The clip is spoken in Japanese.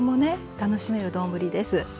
楽しめる丼です。